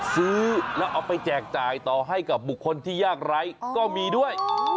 ซื้อแล้วเอาไปแจกจ่ายต่อให้กับบุคคลที่ยากไร้ก็มีด้วย